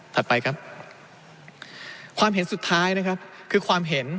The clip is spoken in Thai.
ไปครับความเห็นสุดท้ายนะครับคือความเห็น